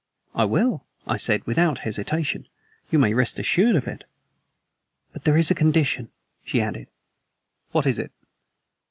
"I will," I said, without hesitation. "You may rest assured of it." "But there is a condition," she added. "What is it?"